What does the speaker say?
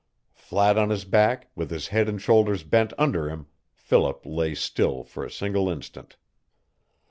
Flat on his back, with his head and shoulders bent under him, Philip lay still for a single instant.